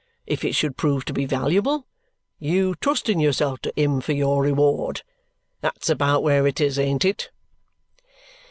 If it should prove to be valuable, you trusting yourself to him for your reward; that's about where it is, ain't it?"